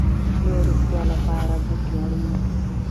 د روغتیا لپاره بوټي اړین دي